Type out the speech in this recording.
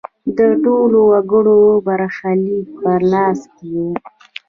د ټولو وګړو برخلیک په لاس کې و.